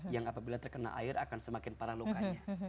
yang apabila terkena air akan semakin parah lukanya